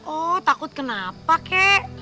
oh takut kenapa kek